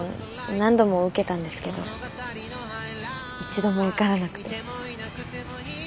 何度も受けたんですけど一度も受からなくて。